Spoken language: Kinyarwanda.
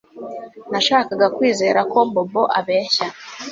Nashakaga kwizera ko Bobo abeshya